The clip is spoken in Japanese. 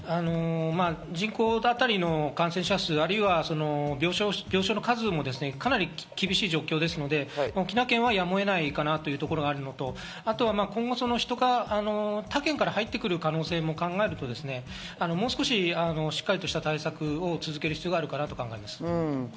人口当たりの感染者、あるいは病床の数がかなり厳しい状況ですので、沖縄県はやむを得ないかなというところがあるのと、今後、他県から入ってくる可能性も考えると、もう少ししっかりした対策を続ける必要があるかなと考えます。